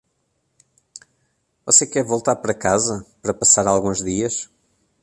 Você quer voltar para casa para passar alguns dias?